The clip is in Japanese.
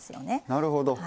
なるほど。